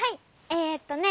えっとね。